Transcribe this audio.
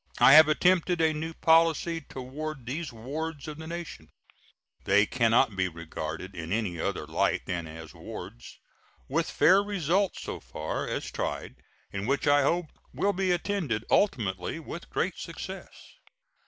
I have attempted a new policy toward these wards of the nation (they can not be regarded in any other light than as wards), with fair results so far as tried, and which I hope will be attended ultimately with great success.